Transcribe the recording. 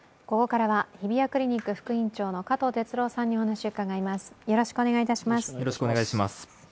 ここからは日比谷クリニック副院長の加藤哲朗さんにお話を伺います。